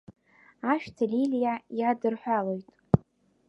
Ашәҭ лилиа иадырҳәалоит.